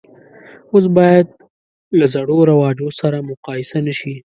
اوس باید له زړو رواجو سره مقایسه نه شي.